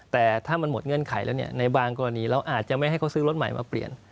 แต่ถ้ามันหมดเงื่อนไขแล้วในบางกรณีเราอาจจะไม่ให้เขาซื้อรถใหม่มาเปลี่ยน